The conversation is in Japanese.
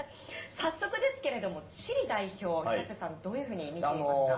早速ですけれども、チリ代表、廣瀬さん、どういうふうに見ていますか。